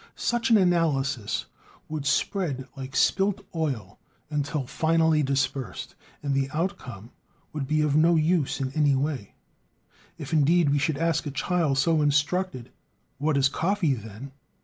Such an analysis would spread like spilt oil until finally dispersed, and the outcome would be of no use in any way. If, indeed, we should ask a child so instructed: "What is coffee, then?"